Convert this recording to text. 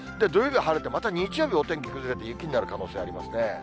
土曜日は晴れて、また日曜日お天気崩れて、雪になる可能性ありますね。